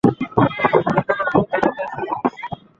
এখন আমি নতুন অধ্যায় শুরু করছি।